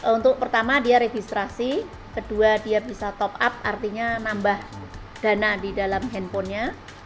untuk pertama dia registrasi kedua dia bisa top up artinya nambah dana di dalam handphonenya